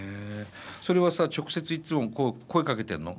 それはさ直接いつも声かけてるの？